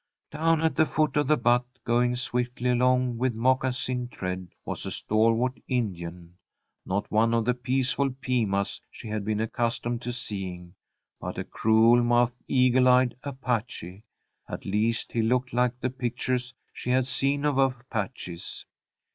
Down at the foot of the butte, going swiftly along with moccasined tread, was a stalwart Indian. Not one of the peaceful Pimas she had been accustomed to seeing, but a cruel mouthed, eagle eyed Apache. At least he looked like the pictures she had seen of Apaches.